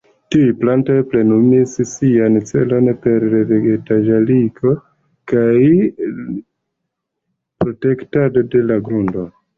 Tiuj plantoj plenumis sian celon per re-vegetaĵarigo kaj protektado de la grundo.